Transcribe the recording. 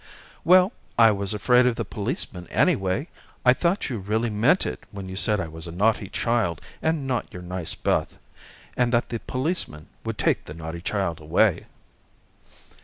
"Well, I was afraid of the policeman, anyway. I thought you really meant it when you said I was a naughty child, and not your nice Beth, and that the policeman would take the naughty child away."